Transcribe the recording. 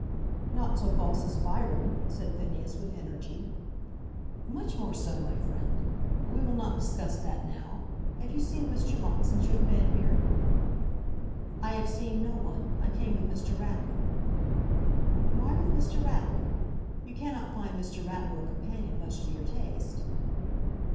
"Not so false as Byron," said Phineas with energy. "Much more so, my friend. But we will not discuss that now. Have you seen Mr. Monk since you have been here?" "I have seen no one. I came with Mr. Ratler." "Why with Mr. Ratler? You cannot find Mr. Ratler a companion much to your taste."